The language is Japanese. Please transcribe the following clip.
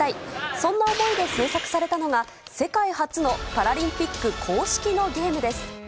そんな思いで制作されたのが世界初のパラリンピック公式のゲームです。